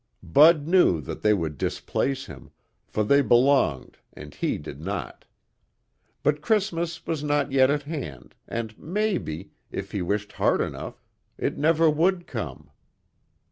Bud knew that they would displace him, for they belonged and he did not. But Christmas was not yet at hand and, maybe, if he wished hard enough, it never would come.